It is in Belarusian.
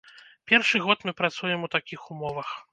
Першы год мы працуем у такіх умовах.